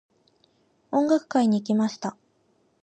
音楽会に行きました。